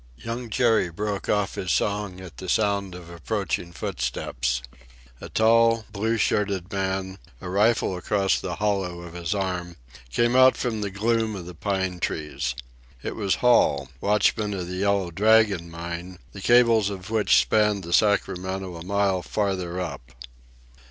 Young Jerry broke off his song at the sound of approaching footsteps, A tall, blue shirted man, a rifle across the hollow of his arm, came out from the gloom of the pine trees. It was Hall, watchman of the Yellow Dragon mine, the cables of which spanned the Sacramento a mile farther up.